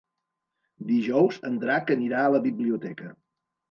Dijous en Drac anirà a la biblioteca.